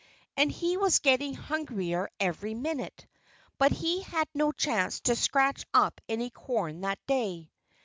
And he was getting hungrier every minute. But he had no chance to scratch up any corn that day.